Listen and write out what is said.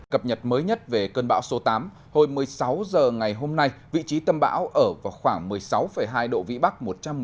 cập nhật mới nhất về cơn bão số tám hồi một mươi sáu h ngày hôm nay vị trí tâm bão ở vào khoảng một mươi sáu hai độ vĩ bắc